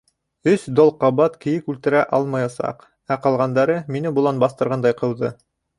— Өс дол ҡабат кейек үлтерә алмаясаҡ, ә ҡалғандары мине болан баҫтырғандай ҡыуҙы.